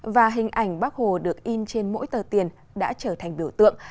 và hình ảnh bác hồ được in trên mỗi tờ tiền đã trở thành biểu tượng